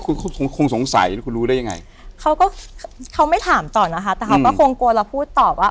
คุณคงสงสัยแล้วคุณรู้ได้ยังไงเขาก็เขาไม่ถามต่อนะคะแต่เขาก็คงกลัวเราพูดตอบว่า